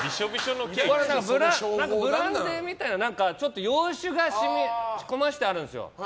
ブランデーみたいな洋酒が染み込ませてあるんですよ。